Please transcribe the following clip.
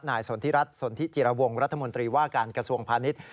หน่ายส่วนที่รัฐส่วนที่จิรวงรัฐมนตรีว่าการกระทรวงพาณิชย์